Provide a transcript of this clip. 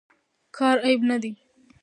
کار عیب نه دی.